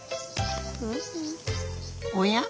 おや？